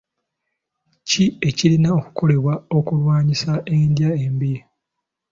Ki ekirina okukolebwa okulwanyisa endya embi?